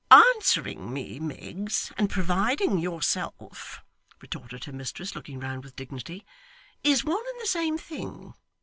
'Answering me, Miggs, and providing yourself,' retorted her mistress, looking round with dignity, 'is one and the same thing.